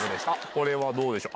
これはどうでしょう